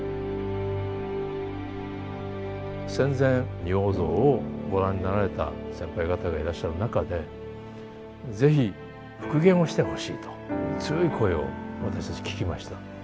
戦前仁王像をご覧になられた先輩方がいらっしゃる中で是非復元をしてほしいと強い声を私たち聞きました。